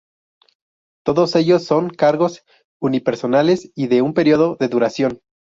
Todos ellos son cargos unipersonales y de un periodo de duración.